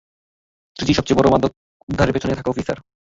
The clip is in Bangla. ত্রিচির সবচেয়ে বড়ো মাদক উদ্ধারের পেছনে থাকা অফিসার।